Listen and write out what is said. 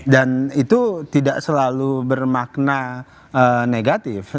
dan itu tidak selalu bermakna negatif